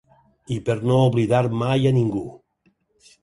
I per no oblidar mai a ningú.